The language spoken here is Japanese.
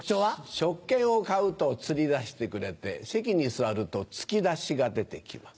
食券を買うとツリダシてくれて席に座るとツキダシが出て来ます。